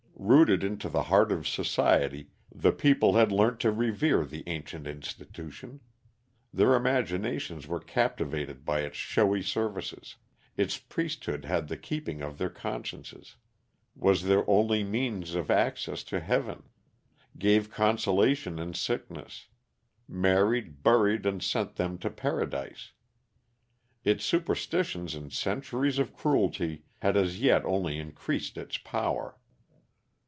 Rooted into the heart of society the people had learnt to revere the ancient institution. Their imaginations were captivated by its showy services; its priesthood had the keeping of their consciences; was their only means of access to heaven; gave consolation in sickness; married, buried, and sent them to paradise. Its superstitions and centuries of cruelty had as yet only increased its power.